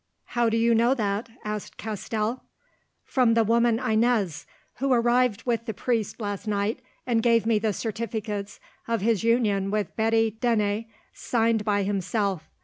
"How do you know that?" asked Castell. "From the woman Inez, who arrived with the priest last night, and gave me the certificates of his union with Betty Dene signed by himself.